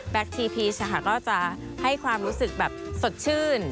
แบล็กทีพีชค่ะก็จะให้ความรู้สึกแบบสดชื่น